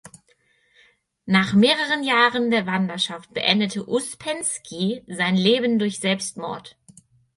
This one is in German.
Nach mehreren Jahren der Wanderschaft beendete Uspenski sein Leben durch Selbstmord.